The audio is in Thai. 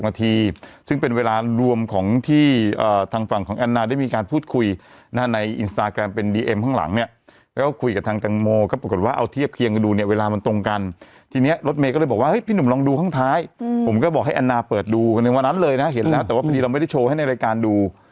นาทีซึ่งเป็นเวลารวมของที่ทางฝั่งของแอนนาได้มีการพูดคุยนะในอินสตาแกรมเป็นดีเอ็มข้างหลังเนี่ยแล้วก็คุยกับทางแตงโมก็ปรากฏว่าเอาเทียบเคียงกันดูเนี่ยเวลามันตรงกันทีนี้รถเมย์ก็เลยบอกว่าพี่หนุ่มลองดูข้างท้ายผมก็บอกให้แอนนาเปิดดูในวันนั้นเลยนะเห็นแล้วแต่ว่าพอดีเราไม่ได้โชว์ให้ในรายการดู